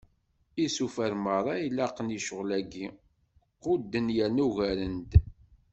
Isufar meṛṛa ilaqen i ccɣel-agi, qudden yerna ugaren-d.